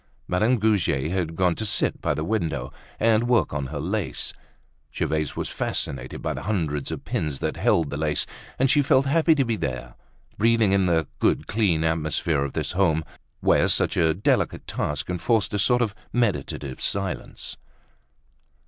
Madame Goujet had gone to sit by the window and work on her lace. Gervaise was fascinated by the hundreds of pins that held the lace, and she felt happy to be there, breathing in the good clean atmosphere of this home where such a delicate task enforced a sort of meditative silence.